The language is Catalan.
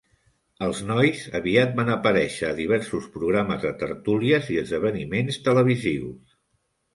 Els nois aviat van aparèixer a diversos programes de tertúlies i esdeveniments televisius.